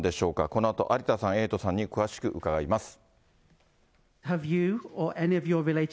このあと、有田さん、エイトさんに詳しく伺います。